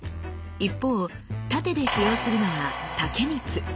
一方殺陣で使用するのは「竹光」。